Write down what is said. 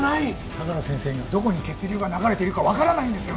相良先生にはどこに血流が流れているかわからないんですよね？